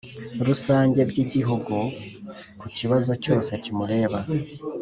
Rusange by igihugu ku kibazo cyose kimureba